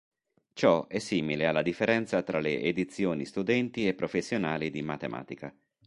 Ciò è simile alla differenza tra le edizioni studenti e professionali di Mathematica.